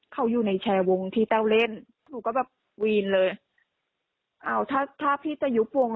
เขาอยู่ในแชร์วงที่แต้วเล่นหนูก็แบบวีนเลยอ้าวถ้าถ้าพี่จะยุบวง